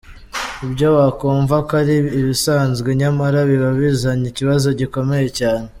Ibyo wakumva ko ari ibisanzwe, nyamara biba bizanye ikibazo gikomeye cyane.